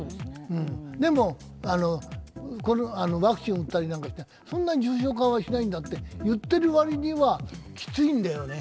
でもワクチンを打ったりなんかして、そんなに重症化はしないんだと言っている割にはキツイんだよね。